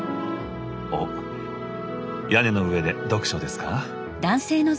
おっ屋根の上で読書ですか？